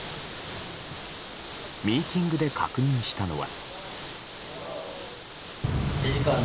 ミーティングで確認したのは。